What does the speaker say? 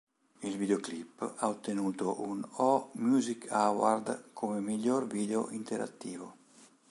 Il videoclip ha ottenuto un O Music Award come "Miglior video interattivo".